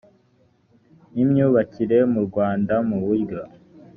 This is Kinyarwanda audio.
n imyubakire mu rwanda mu buryo